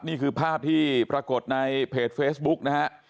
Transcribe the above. นี่คือภาพที่ปรากฏในเพจเฟซบุ๊กนะฮะ